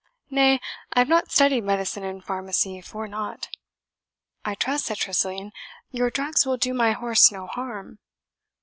Nay, I have not studied medicine and pharmacy for nought." "I trust," said Tressilian, "your drugs will do my horse no harm?"